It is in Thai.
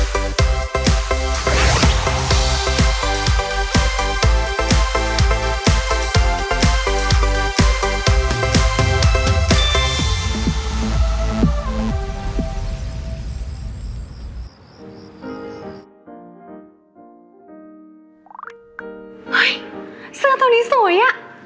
เสื้อตัวนี้สวยอ่ะ